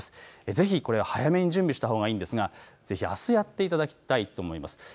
ぜひこれは早めに準備したほうがいいんですが、ぜひ、あすやっていただきたいと思います。